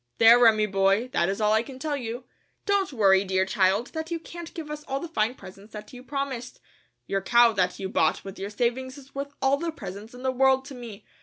There, Remi, boy, that is all I can tell you. Don't worry, dear child, that you can't give us all the fine presents that you promised. Your cow that you bought with your savings is worth all the presents in the world to me.